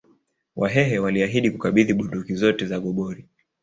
Wahehe waliahidi Kukabidhi bunduki zote za gobori